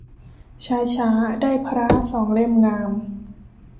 ช้าช้าได้พร้าสองเล่มงาม